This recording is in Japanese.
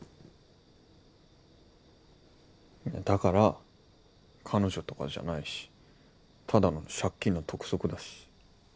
だから彼女とかじゃないしただの借金の督促だし。